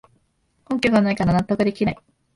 根拠がないから納得できない